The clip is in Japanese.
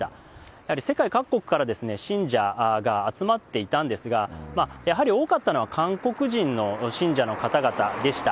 やはり世界各国から、信者が集まっていたんですが、やはり多かったのは韓国人の信者の方々でした。